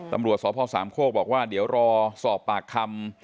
ตำรวจสพสามโคกบอกว่าเดี๋ยวรอสอบปากคำ